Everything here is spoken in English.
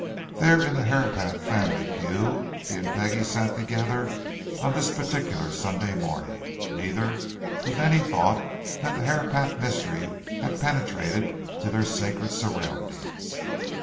There in the Herapath family pew, he and Peggie sat together on this particular Sunday morning, neither with any thought that the Herapath mystery had penetrated to their sacred surroundings.